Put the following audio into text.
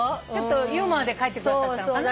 ユーモアで書いてくださったのかな。